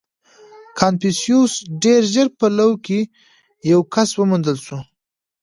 • کنفوسیوس ډېر ژر په لو کې پوه کس وپېژندل شو.